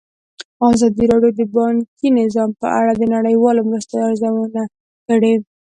ازادي راډیو د بانکي نظام په اړه د نړیوالو مرستو ارزونه کړې.